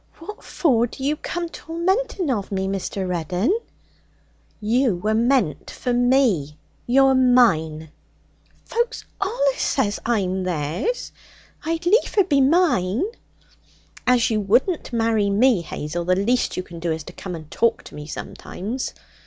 'What for do you come tormenting of me, Mr. Reddin?' 'You were meant for me. You're mine.' 'Folk allus says I'm theirs. I'd liefer be mine.' 'As you wouldn't marry me, Hazel, the least you can do is to come and talk to me sometimes.'